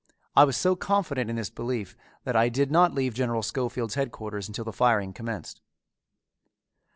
I was so confident in this belief that I did not leave General Schofield's headquarters until the firing commenced.